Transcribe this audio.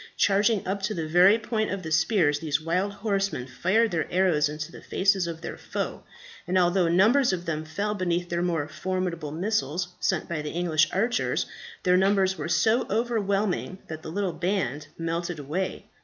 Charging up to the very point of the spears, these wild horsemen fired their arrows into the faces of their foe, and although numbers of them fell beneath the more formidable missiles sent by the English archers, their numbers were so overwhelming that the little band melted away.